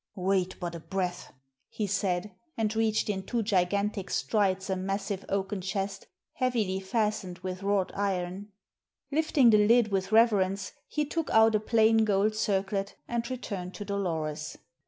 "Wait but a breath," he said, and reached in two gigantic strides a massive oaken chest heavily fastened with wrought iron. Lifting the lid with reverence, he took out a plain gold circlet and returned to Dolores.